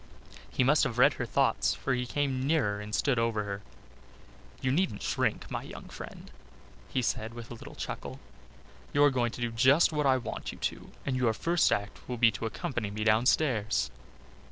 He must have read her thoughts for he came nearer and stood over her. "You needn't shrink, my young friend," he said with a little chuckle. "You are going to do just what I want you to do, and your first act will be to accompany me downstairs.